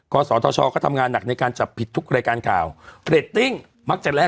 ก่อสตธชก็ทำงานหนักในการจับผิดทุกรายกาลข่าว